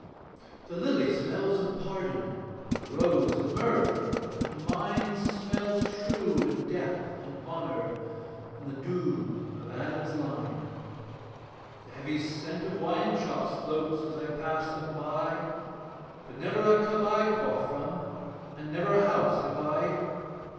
The lily smells of pardon, The rose of mirth; but mine Smells shrewd of death and honour, And the doom of Adam's line. The heavy scent of wine shops Floats as I pass them by, But never a cup I quaff from, And never a house have I.